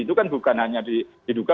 itu kan bukan hanya diduga